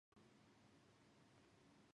その次の日も僕らは見た。全く同じだった。